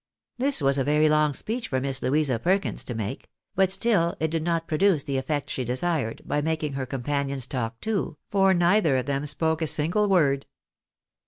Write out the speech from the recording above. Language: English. This was a very long speech for Miss Louisa Perkins to make ; but still it did not produce the effect she desired, by making her companions talk too, for neither of them spoke a single word.